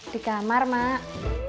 di kamar mbak